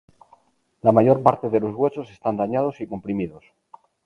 La mayor parte de los huesos están dañados y comprimidos.